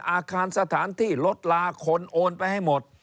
อาคารสถานที่ลดลาคนโอนไปให้หมด